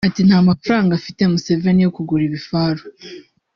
Ati” Nta mafaranga afite[Museveni] yo kugura ibifaru